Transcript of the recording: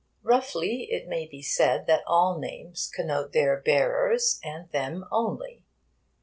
Roughly, it may be said that all names connote their bearers, and them only.